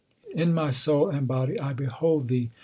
In my soul and body I behold Thee.